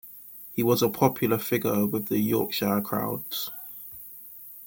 He was a popular figure with the Yorkshire crowds.